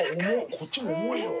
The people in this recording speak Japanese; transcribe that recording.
こっちも重いよ。